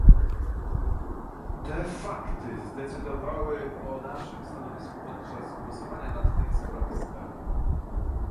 Te fakty zadecydowały o naszym stanowisku podczas głosowania nad tym sprawozdaniem